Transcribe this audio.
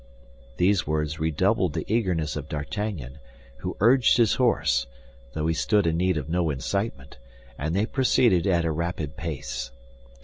These words redoubled the eagerness of D'Artagnan, who urged his horse, though he stood in need of no incitement, and they proceeded at a rapid pace.